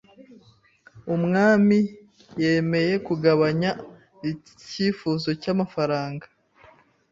Umwami yemeye kugabanya icyifuzo cyamafaranga.